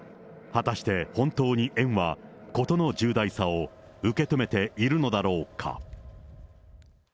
果たして本当に園は事の重大さを受け止めているのだろうか。